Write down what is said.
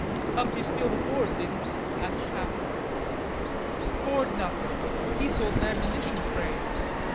"Helped yer steal the Ford, did he?" asked Happy. "Ford nothin'! He sold an ammunition train.